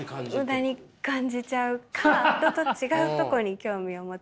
無駄に感じちゃうか人と違うとこに興味を持っちゃう。